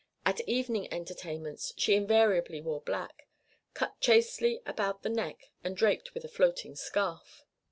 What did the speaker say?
At evening entertainments she invariably wore black, cut chastely about the neck and draped with a floating scarf.